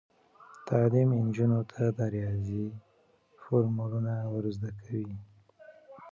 تعلیم نجونو ته د ریاضي فورمولونه ور زده کوي.